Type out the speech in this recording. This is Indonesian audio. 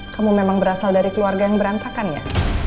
kamu memang berasal dari keluarga yang berantakan ya